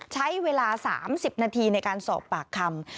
ใช้เวลา๓๐นาทีในการสอบปากคำ